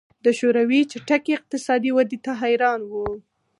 د شوروي چټکې اقتصادي ودې ته حیران وو